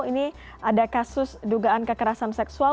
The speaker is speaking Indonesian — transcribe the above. ini ada kasus dugaan kekerasan seksual